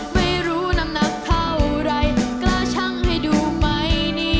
ไม่รู้น้ำหนักเท่าไรกล้าชั่งให้ดูไหมนี่